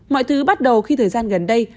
mọi thứ bắt đầu khi thời gian gần đây